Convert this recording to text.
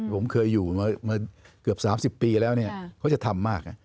ผมเคยอยู่เกือบ๓๐ปีแล้วเขาจะทำมาก